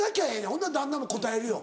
ほんなら旦那もこたえるよ。